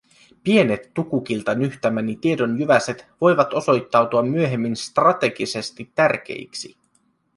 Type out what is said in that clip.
Pienet Tukukilta nyhtämäni tiedonjyväset voivat osoittautua myöhemmin strategisesti tärkeiksi.